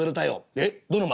「えっどの窓？